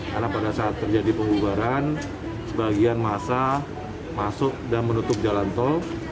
karena pada saat terjadi pengubaran sebagian masa masuk dan menutup jalan tol